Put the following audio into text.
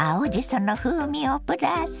その風味をプラス！